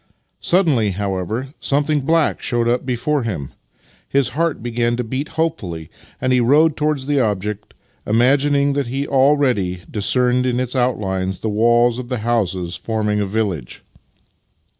Suddenly, however, something black showed up before him. His heart began to beat hopefully, and he rode towards the object, imagining that he already dis cerned in its outlines the walls of the houses forming a village.